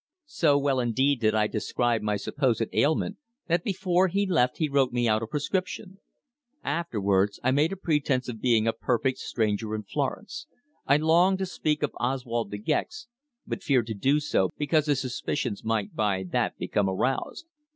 So well indeed did I describe my supposed ailment that before he left he wrote me out a prescription. Afterwards I made pretence of being a perfect stranger in Florence. I longed to speak of Oswald De Gex, but feared to do so because his suspicions might by that become aroused.